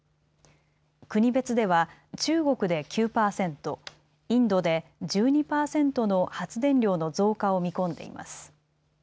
国別では中国で９％、インドで１２％の発電量の増加を見込んでいます。